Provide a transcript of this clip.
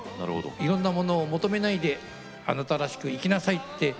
いろんなものを求めないであなたらしくいきなさい」って。